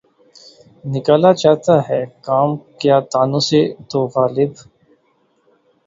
نکالا چاہتا ہے کام کیا طعنوں سے تو؟ غالبؔ!